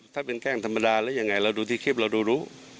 ถ้าเป็นแข้งธรรมดาหรือยังไงเราดูที่คลิปเราดูรู้